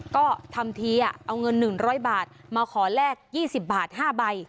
ก็ทำทีอ่ะเอาเงินหนึ่งร้อยบาทมาขอแลกยี่สิบบาทห้าใบ